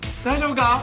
大丈夫か？